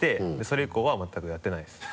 それ以降は全くやってないです。